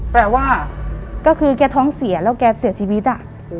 แต่ว่าก็คือแกท้องเสียแล้วแกเสียชีวิต